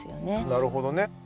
なるほどね。